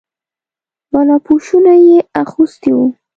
بالاپوشونه یې اغوستي وو.